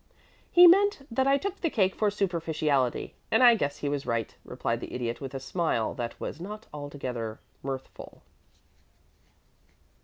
"He meant that I took the cake for superficiality, and I guess he was right," replied the Idiot, with a smile that was not altogether mirthful.